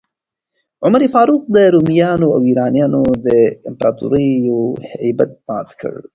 عمر فاروق د رومیانو او ایرانیانو د امپراتوریو هیبت مات کړ.